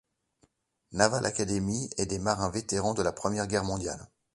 Naval Academy et des marins vétérans de la première guerre mondiale.